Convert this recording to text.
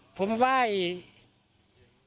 ผมขอร้องให้ออกไฟมันก็มาจากใกล้รถแล้ว